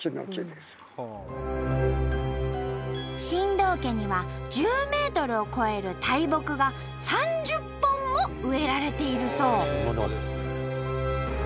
新藤家には１０メートルを超える大木が３０本も植えられているそう！